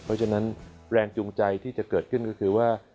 เพราะฉะนั้นแรงจูงใจที่จะเกิดขึ้นก็คือว่า